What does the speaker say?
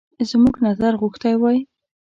زموږ نظر غوښتی وای.